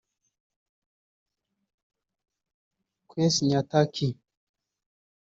Kwesi Nyantakyi